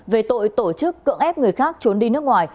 về tội tổ chức cưỡng ép người khác trốn đi nước ngoài